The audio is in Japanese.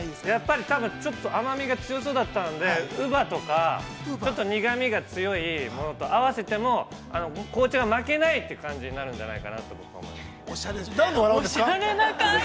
◆やっぱり多分ちょっと甘みが強そうだったのでウバとか、ちょっと苦みが強いものと合わせても好茶が負けないって感じになるんじゃないかなと僕は思いました。